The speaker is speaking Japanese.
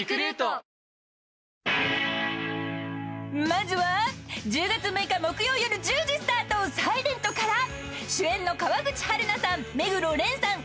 ［まずは１０月６日木曜夜１０時スタート『ｓｉｌｅｎｔ』から主演の川口春奈さん目黒蓮さん